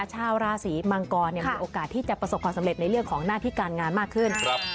ชาวราศีมังกรมีโอกาสที่จะประสบความสำเร็จในเรื่องของหน้าที่การงานมากขึ้น